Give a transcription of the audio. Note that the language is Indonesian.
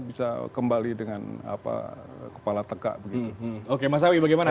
bisa kembali dengan apa kepala tegak begitu oke mas awi bagaimana